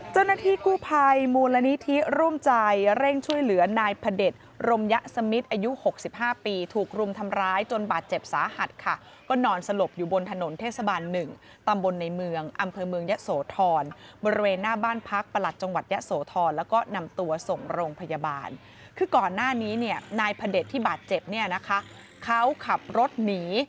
เจ้าหน้าที่กู้ภัยมูลนิธิร่วมใจเร่งช่วยเหลือนายพระเด็จรมยะสมิทอายุ๖๕ปีถูกรุมทำร้ายจนบาดเจ็บสาหัสค่ะก็นอนสลบอยู่บนถนนเทศบาล๑ตำบลในเมืองอำเภอเมืองยะโสธรบริเวณหน้าบ้านพักประหลัดจังหวัดยะโสธรแล้วก็นำตัวส่งโรงพยาบาลคือก่อนหน้านี้เนี่ยนายพระเด็จที่บาดเจ็บเนี่ยนะคะเขาขับรถหนี